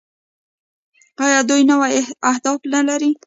آیا دوی نوي اهداف نلري؟